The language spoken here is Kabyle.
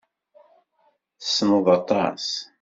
Tessneḍ aṭas.